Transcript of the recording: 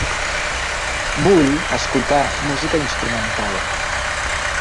Vull escoltar música instrumental.